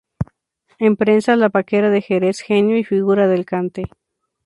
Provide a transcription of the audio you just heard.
En prensa: "La Paquera de Jerez, genio y figura del cante".